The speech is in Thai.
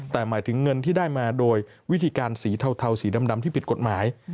แต่หมายถึงเงินที่ได้มาโดยวิธีการสีเทาสีดำที่ผิดกฎหมาย